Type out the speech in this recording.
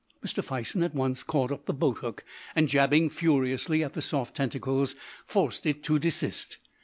Mr. Fison at once caught up the boathook, and, jabbing furiously at the soft tentacles, forced it to desist.